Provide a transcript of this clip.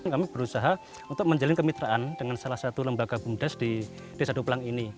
kami berusaha untuk menjalin kemitraan dengan salah satu lembaga bumdes di desa duplang ini